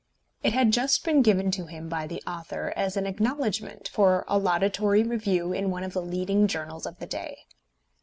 It had just been given to him by the author as an acknowledgment for a laudatory review in one of the leading journals of the day.